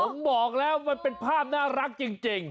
ผมบอกแล้วมันเป็นภาพน่ารักจริง